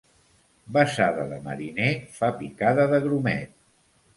Besada de mariner fa picada de grumet.